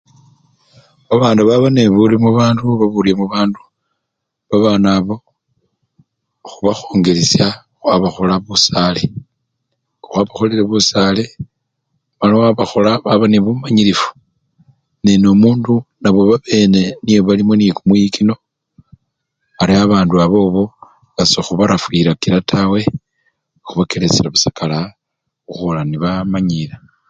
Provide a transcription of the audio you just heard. Babandu baba nende buri mubandu oba burye mubandu, babanabo khubakhongelesya khwabakhola busale, ngawabakholele busale mala wabakhola baba nebumanyilifu nine omundu niye babane nabo balimo nekumwiyikino ari babandu abobo nga sekhubarafwirakira tawe, khubakelesyila busa kalaa khukhwola nga nibamanyila.